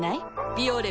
「ビオレ」